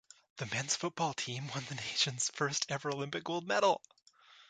The men's football team won the nation's first ever Olympic gold medal.